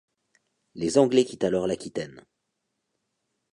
Les Anglais quittent alors l'Aquitaine.